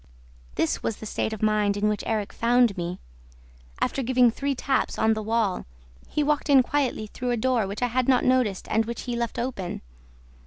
"This was the state of mind in which Erik found me. After giving three taps on the wall, he walked in quietly through a door which I had not noticed and which he left open.